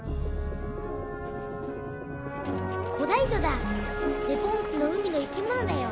古代魚だデボン紀の海の生き物だよ。